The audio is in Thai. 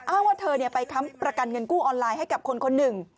ว่าเธอไปค้ำประกันเงินกู้ออนไลน์ให้กับคนคนหนึ่ง